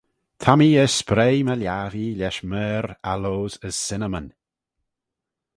Ta mee er spreih my lhiabbee lesh myrrh, aloes, as cinnamon.